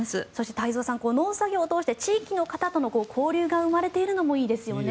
太蔵さん農作業を通して地域の方との交流が生まれているのもいいですよね。